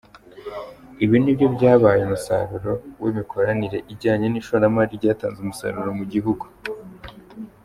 Ibi nibyo byabyaye umusaruro w’imikoranire ijyanye n’ishoramari ryatanze umusaruro mu gihugu.